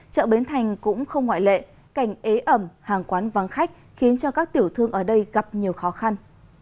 chợ bến thành cũng không ngoại lệ cảnh ế ẩm hàng quán vắng khách khiến cho các tiểu thương ở đây gặp nhiều khó khăn